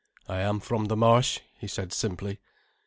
"I am from the marsh," he said simply.